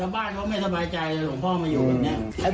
บ้านเขาไม่สบายใจหลวงพ่อมาอยู่แบบนี้